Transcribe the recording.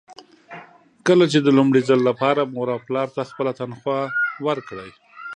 کله چې د لومړي ځل لپاره مور او پلار ته خپله تنخوا ورکړئ.